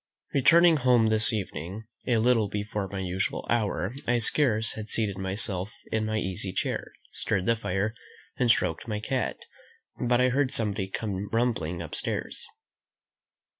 Returning home this evening, a little before my usual hour, I scarce had seated myself in my easy chair, stirred the fire, and stroked my cat, but I heard somebody come rumbling upstairs.